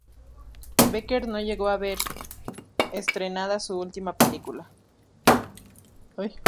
Becker no llegó a ver estrenada su última película.